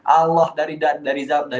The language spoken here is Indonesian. allah dari rizal